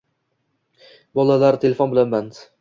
Bolar telefon bilan band